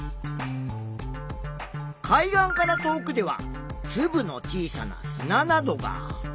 海岸から遠くではつぶの小さな砂などが。